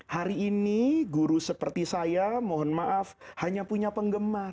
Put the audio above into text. hari ini guru seperti saya mohon maaf hanya punya penggemar